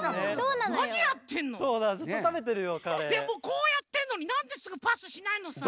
こうやってるのになんですぐパスしないのさ？